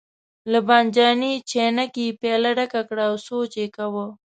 له بانجاني چاینکې یې پیاله ډکه کړه او سوچ یې کاوه.